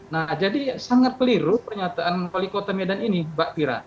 nah jadi sangat peliru pernyataan kota medan ini mbak pira